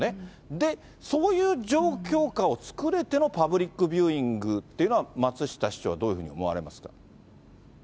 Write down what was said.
で、そういう状況下を作れてのパブリックビューイングっていうのは、松下市長はどういうふうに思われますか？